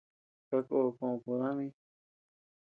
Kakó koʼo ku dami.